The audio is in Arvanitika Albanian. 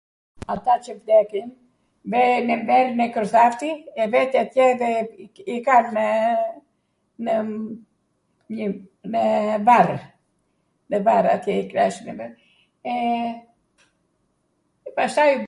ata qw vdesin. ven e mer nekrothafti e vete atje dhe i kall me ... me varrw, me var atje i kllasnw, ee, pastaj...